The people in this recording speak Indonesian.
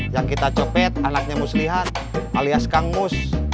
yang kita copet anaknya muslihat alias kang mus